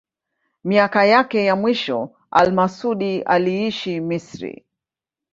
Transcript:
Miaka yake ya mwisho al-Masudi aliishi Misri.